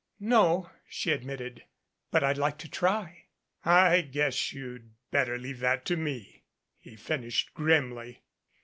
"No," she admitted, "but I'd like to try." "I guess you'd better leave that to me," he finished grimly.